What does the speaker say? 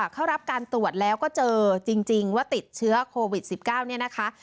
เข้ารับการตรวจแล้วก็เจอจริงว่าติดเชื้อโควิด๑๙เนี่ยนะคะ